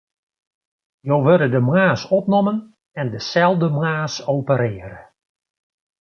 Jo wurde de moarns opnommen en deselde moarns operearre.